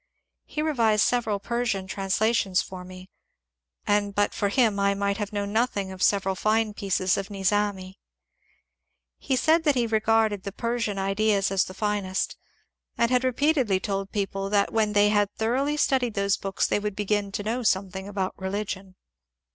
He revised sev eral Persian translations for me, and but for him I might have known nothing of several fine pieces of Nizami. He said that he regarded the Persian ideas as the finest, and had repeatedly told people that when they had thoroughly studied those books they would ^^ begin to know something about reli gion.